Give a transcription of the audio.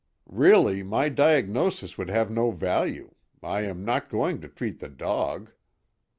"Really, my diagnosis would have no value: I am not going to treat the dog."